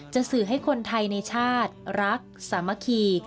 สื่อให้คนไทยในชาติรักสามัคคี